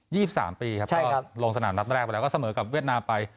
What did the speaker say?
สิบสามปีครับใช่ครับลงสนามนัดแรกไปแล้วก็เสมอกับเวียดนามไป